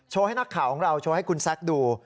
ให้นักข่าวของเราโชว์ให้คุณแซคดู